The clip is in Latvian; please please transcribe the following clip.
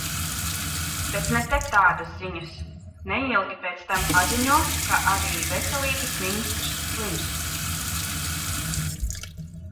Bet ne te tādas ziņas. Neilgi pēc tam paziņo, ka arī veselības ministrs slims.